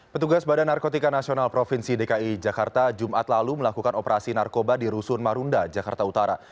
petugas badan narkotika nasional provinsi dki jakarta jumat lalu melakukan operasi narkoba di rusun marunda jakarta utara